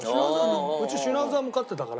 うちシュナウザーも飼ってたから。